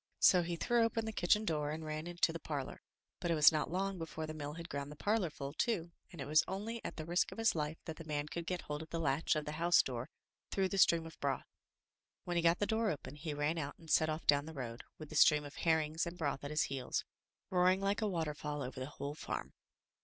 So he threw open the kitchen door and ran into the parlor, but it was not long before the mill had ground the parlor full too, and it was only at the risk of his life that the man could get hold of the latch of the housedoor through the stream of broth. When he got the door open, he ran out and set off down the road, with the stream of herrings and broth at his heels, roaring like a waterfall over the whole farm.